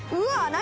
何？